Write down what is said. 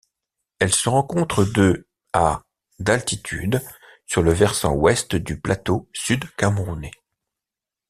Elle se rencontre de à d'altitude sur le versant ouest du plateau sud-camerounais.